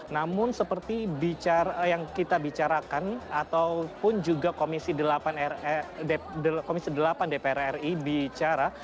namun seperti yang kita bicarakan ataupun juga komisi delapan dpr ri bicara